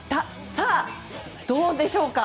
さあ、どうでしょうか。